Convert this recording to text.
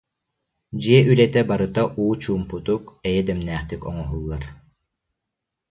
Дьиэ үлэтэ барыта уу чуумпутук, эйэ дэмнээхтик оҥоһуллар